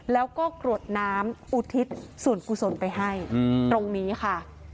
แล้วก็กรวดน้ำอุทิศส่วนกุศลไปให้ตรงนี้ค่ะ